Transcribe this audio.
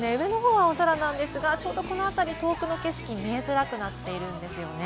上の方は青空ですが、ちょうどこの辺り、遠くの景色が見えづらくなっているんですよね。